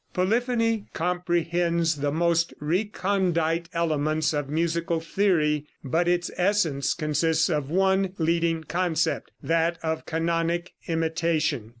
Polyphony comprehends the most recondite elements of musical theory, but its essence consists of one leading concept that of canonic imitation.